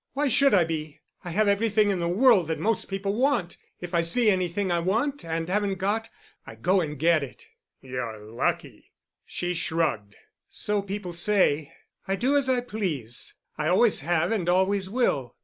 "Why should I be? I have everything in the world that most people want. If I see anything I want and haven't got, I go and get it." "You're lucky." She shrugged. "So people say. I do as I please. I always have and always will.